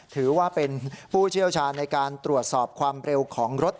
ถือว่าเป็นผู้เชี่ยวชาญในการตรวจสอบความเร็วของรถ